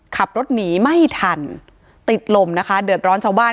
ขับรถหนีไม่ทันติดลมนะคะเดือดร้อนชาวบ้าน